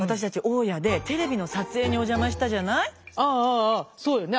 あああそうよね